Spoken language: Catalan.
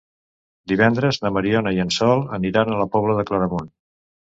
Divendres na Mariona i en Sol aniran a la Pobla de Claramunt.